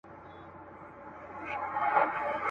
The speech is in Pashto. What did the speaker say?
دوه جواله یې پر اوښ وه را بارکړي.